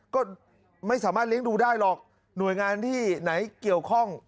ก็ไม่สามารถเลี้ยงดูได้หรอกหน่วยงานที่ไหนเกี่ยวข้อง